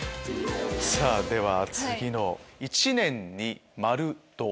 さぁでは次の「１年に○度！」。